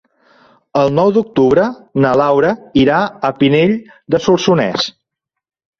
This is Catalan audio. El nou d'octubre na Laura irà a Pinell de Solsonès.